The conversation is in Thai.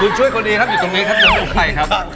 คุณช่วยคนนี้ครับอยู่ตรงนี้